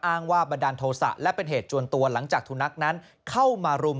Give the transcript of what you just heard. อ้างว่าบันดาลโทษะและเป็นเหตุจวนตัวหลังจากสุนัขนั้นเข้ามารุม